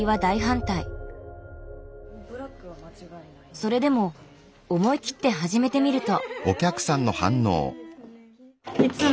それでも思い切って始めてみると。